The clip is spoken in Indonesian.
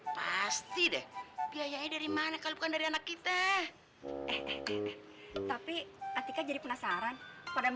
pasti deh biayanya dari mana kalau bukan dari anak kita eh tapi atika jadi penasaran pada